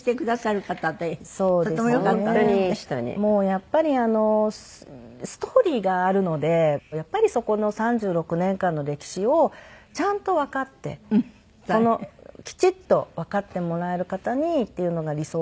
やっぱりストーリーがあるのでやっぱりそこの３６年間の歴史をちゃんとわかってきちっとわかってもらえる方にっていうのが理想だったので。